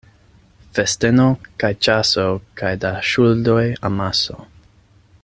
Festeno kaj ĉaso kaj da ŝuldoj amaso.